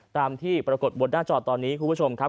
ตามที่ปรากฏบนหน้าจอตอนนี้คุณผู้ชมครับ